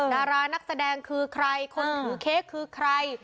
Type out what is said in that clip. ดารานักแสดงคือใครคนถือเค้กคือใคร